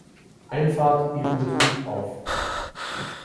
Einfahrt ihren Betrieb auf.